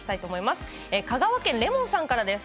香川県の方からです。